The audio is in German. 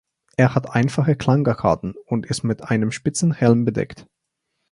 Er hat einfache Klangarkaden und ist mit einem spitzen Helm bedeckt.